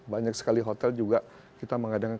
banyak sekali hotel juga kita mengadakan